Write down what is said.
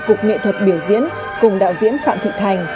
cục nghệ thuật biểu diễn cùng đạo diễn phạm thị thành